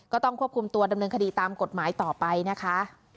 ก็ต้องควบคุมตัวดำเนินคดีตามกฎหมายต่อไปนะคะ